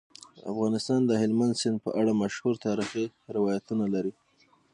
افغانستان د هلمند سیند په اړه مشهور تاریخی روایتونه لري.